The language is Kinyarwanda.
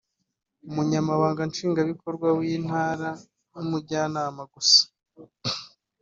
Umunyamabanga Nshingwabikorwa w’Intara n’Umujyanama gusa